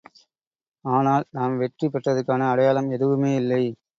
ஆனால், நாம் வெற்றி பெற்றதற்கான அடையாளம் எதுவுமே இல்லை.